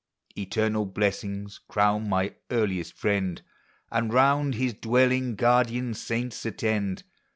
315 Eternal blessings crown my earliest friend, And round Lis dwelling guardian saints attend!